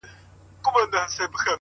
خپل مخ واړوې بل خواتــــه,